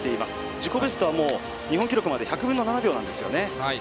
自己ベストは日本記録まで１００分の７秒なんですよね。